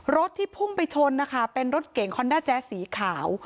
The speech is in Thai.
รถที่พุ่งไปชนนะคะเป็นรถเก่งคอนด้าแจ๊สสีขาว